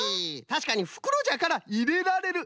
たしかにふくろじゃからいれられる。